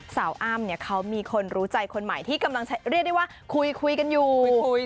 สาวอ้ามเนี่ยเขามีคนรู้ใจคนใหม่ที่กำลังคุยคุยกันอยู่